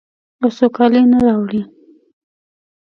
او سوکالي نه راوړي.